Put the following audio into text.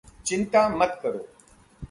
चिंता मत करो